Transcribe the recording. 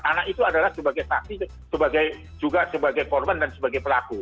anak itu adalah sebagai saksi juga sebagai korban dan sebagai pelaku